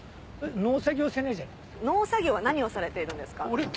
農作業は何をされているんですか？